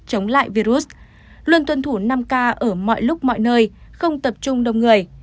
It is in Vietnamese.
chống lại virus luôn tuân thủ năm k ở mọi lúc mọi nơi không tập trung đông người